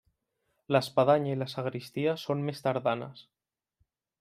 L'espadanya i la sagristia són més tardanes.